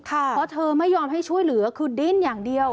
เพราะเธอไม่ยอมให้ช่วยเหลือคือดิ้นอย่างเดียว